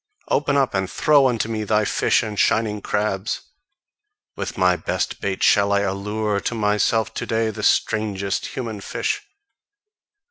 Open up, and throw unto me thy fish and shining crabs! With my best bait shall I allure to myself to day the strangest human fish!